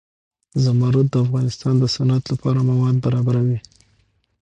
زمرد د افغانستان د صنعت لپاره مواد برابروي.